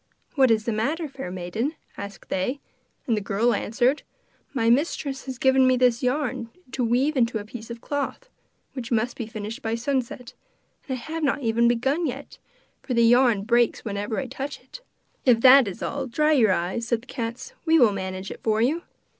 'What is the matter, fair maiden?' asked they. And the girl answered: 'My mistress has given me this yarn to weave into a piece of cloth, which must be finished by sunset, and I have not even begun yet, for the yarn breaks whenever I touch it.' 'If that is all, dry your eyes,' said the cats; 'we will manage it for you.